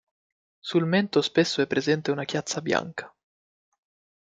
Sul mento spesso è presente una chiazza bianca.